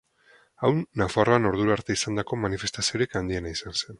Hau Nafarroan ordura arte izandako manifestaziorik handiena izan zen.